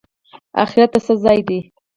اخرت د څه ځای دی؟